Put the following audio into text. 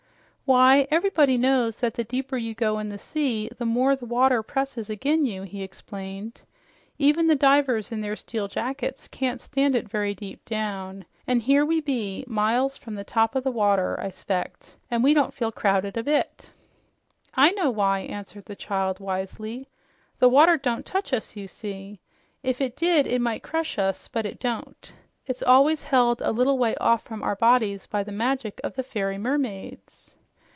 "Why, ev'r'body knows that the deeper you go in the sea, the more the water presses agin you," he explained. "Even the divers in their steel jackets can't stand it very deep down. An' here we be, miles from the top o' the water, I s'pect, an' we don't feel crowded a bit." "I know why," answered the child wisely. "The water don't touch us, you see. If it did, it might crush us, but it don't. It's always held a little way off from our bodies by the magic of the fairy mermaids."